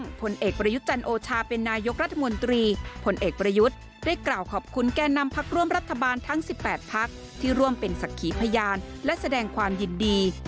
ผลเอกประยุทธ์จันโอชาเป็นนายกรัฐมนตรีผลเอกประยุทธ์ได้กล่าวขอบคุณแก่นำพักร่วมรัฐบาลทั้ง๑๘พักที่ร่วมเป็นศักดิ์ขีพยานและแสดงความยินดี